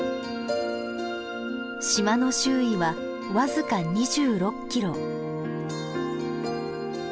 島の周囲は僅か２６キロ。